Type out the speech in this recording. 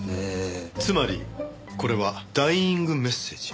つまりこれはダイイングメッセージ。